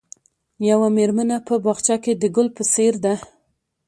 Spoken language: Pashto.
یوه مېرمنه په باغچه کې د ګل په څېر ده.